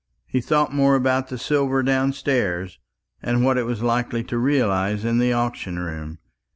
He thought more about the silver downstairs, and what it was likely to realize in the auction room.